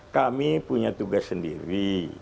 kami punya tugas sendiri